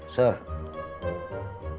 sir lo udah baikan sama emak